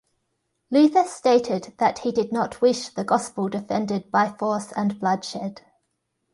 Luther stated that he did not wish the Gospel defended by force and bloodshed.